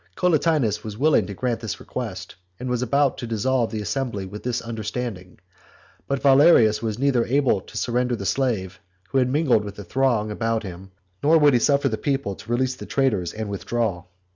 Collatinus was willing to grant this request, and was about to dissolve the assembly with this understanding ; but Valerius was neither able to surrender the slave, who had mingled with the throng about him, nor would he suffer the people to release the traitors and withdraw.